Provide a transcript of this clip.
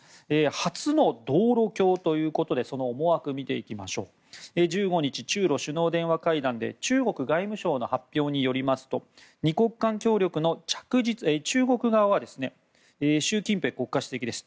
初の道路橋ということでその思惑を見ていきましょう１５日、中露電話首脳会談で中国外務省の発表によりますと習近平国家主席です。